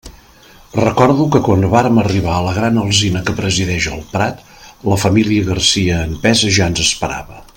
Recordo que quan vàrem arribar a la gran alzina que presideix el prat, la família Garcia en pes ja ens esperava.